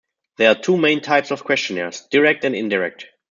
There are two main types of questionnaires; direct and indirect.